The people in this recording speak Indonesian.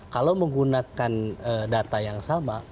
kalau menggunakan data yang sama